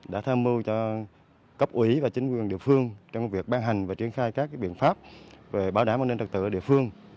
đã tham mưu cho cấp ủy và chính quyền địa phương trong việc ban hành và triển khai các biện pháp về bảo đảm an ninh trật tự ở địa phương